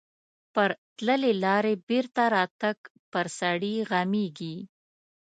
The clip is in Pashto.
پر تللې لارې بېرته راتګ پر سړي غمیږي.